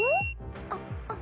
あっ。